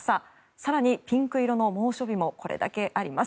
更にピンク色の猛暑日もこれだけあります。